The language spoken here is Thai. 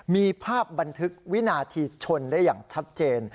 มีภาพบันทึกวินาทีชนได้อย่างชัดเจน